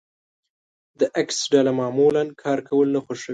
د ايکس ډله معمولا کار کول نه خوښوي.